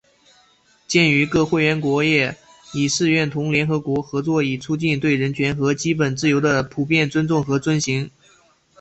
鉴于各会员国业已誓愿同联合国合作以促进对人权和基本自由的普遍尊重和遵行